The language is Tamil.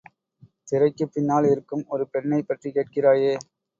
திரைக்குப் பின்னால் இருக்கும் ஒரு பெண்ணைப் பற்றிக் கேட்கிறாயே!